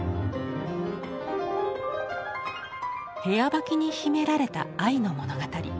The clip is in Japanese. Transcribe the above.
「部屋履き」に秘められた愛の物語。